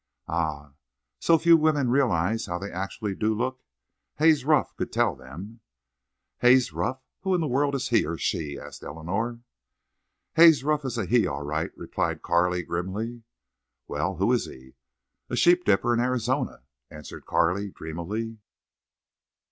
"Ah! So few women realize how they actually do look. Haze Ruff could tell them." "Haze Ruff. Who in the world is he or she?" asked Eleanor. "Haze Ruff is a he, all right," replied Carley, grimly. "Well, who is he?" "A sheep dipper in Arizona," answered Carley, dreamily.